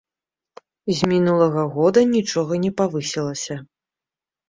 З мінулага года нічога не павысілася.